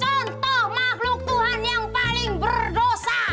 contoh makhluk tuhan yang paling berdosa